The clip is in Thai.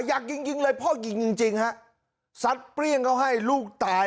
ยักษ์ยิงยิงเลยพ่อยิงจริงจริงฮะสัดเปรี่งเขาให้ลูกตาย